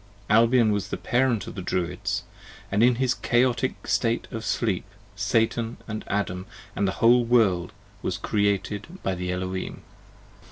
Albion was the Parent of the Druids: & in his Chaotic State of Sleep 17 Satan & Adam & the whole World was Created by the Elohim.